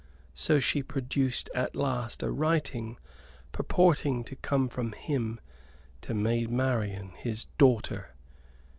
So she produced at last a writing purporting to come from him to Maid Marian, his daughter.